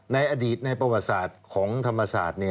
ในอดีตในประวัติศาสตร์ของธรรมศาสตร์